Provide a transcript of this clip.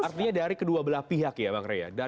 artinya dari kedua belah pihak ya pak kraya